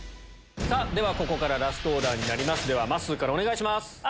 ここからラストオーダーになりますまっすーからお願いします。